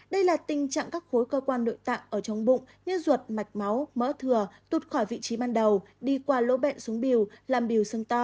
đây là tình trạng các khối cơ quan nội tạng ở trong bụng như ruột mạch máu mỡ thừa tụt khỏi vị trí ban đầu đi qua lỗ bệnh xuống biêu làm biểu sưng to